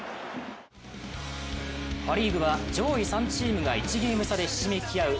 パ・リーグは上位３チームが１ゲーム差でひしめき合う